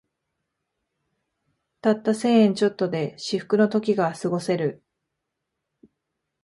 たった千円ちょっとで至福の時がすごせる